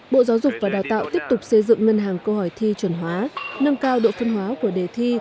bộ giáo dục và đào tạo tiếp tục xây dựng ngân hàng câu hỏi thi chuẩn hóa nâng cao độ phân hóa của đề thi